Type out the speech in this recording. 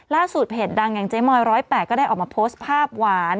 เพจดังอย่างเจ๊มอย๑๐๘ก็ได้ออกมาโพสต์ภาพหวาน